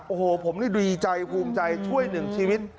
โอ้โหผมนี่ดีใจภูมิใจช่วยหนึ่งชีวิต